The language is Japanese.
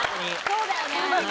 そうだよね。